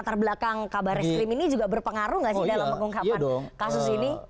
terbelakang kabar reskrim ini juga berpengaruh gak sih dalam mengungkapkan kasus ini